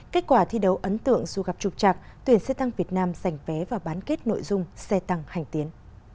kết quả thi đấu ấn tượng dù gặp trục trạc tuyển xe tăng việt nam giành vé và bán kết nội dung xe tăng hành tiến